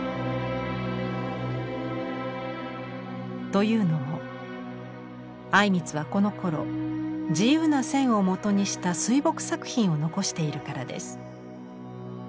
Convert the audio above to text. というのも靉光はこのころ自由な線をもとにした水墨作品を残しているからです。